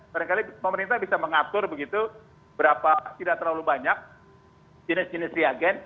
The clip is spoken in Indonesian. barangkali pemerintah bisa mengatur begitu berapa tidak terlalu banyak jenis jenis reagen